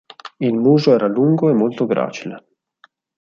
Il muso era lungo e molto gracile.